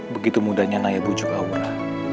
begitu mudahnya naya bujuk aura